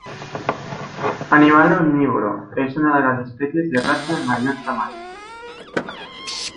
Animal omnívoro, es una de las especies de rata de mayor tamaño.